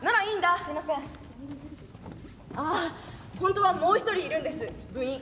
ああ本当はもう一人いるんです部員。